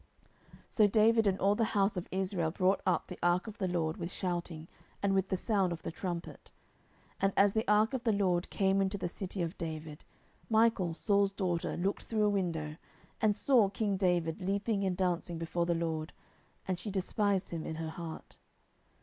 10:006:015 So David and all the house of Israel brought up the ark of the LORD with shouting, and with the sound of the trumpet. 10:006:016 And as the ark of the LORD came into the city of David, Michal Saul's daughter looked through a window, and saw king David leaping and dancing before the LORD; and she despised him in her heart.